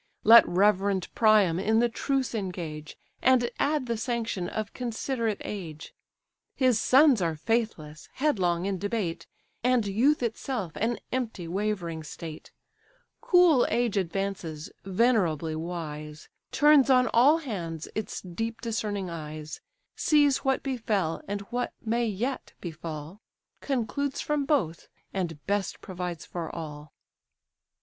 Let reverend Priam in the truce engage, And add the sanction of considerate age; His sons are faithless, headlong in debate, And youth itself an empty wavering state; Cool age advances, venerably wise, Turns on all hands its deep discerning eyes; Sees what befell, and what may yet befall, Concludes from both, and best provides for all.